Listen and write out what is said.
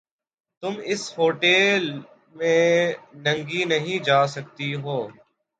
تم اِس ہوٹیل میں ننگی نہیں جا سکتی ہو۔